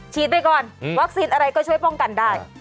ไปก่อนวัคซีนอะไรก็ช่วยป้องกันได้